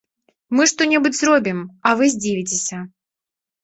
Мы што-небудзь зробім, а вы здзівіцеся.